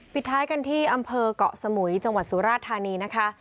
ปิดท้ายกันที่อำเภอกเกาะสมุยจังหวัดสุราชธานีนะคะ